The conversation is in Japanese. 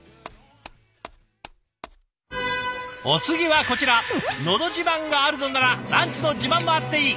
お次はこちら「のど自慢」があるのならランチの自慢もあっていい。